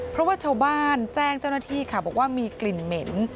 เพราะว่าชาวบ้านแจ้งเจ้าหน้าที่ค่ะบอกว่ามีกลิ่นเหม็น